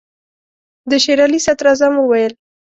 د شېر علي صدراعظم وویل.